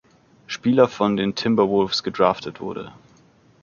Spieler von den Timberwolves gedraftet wurde.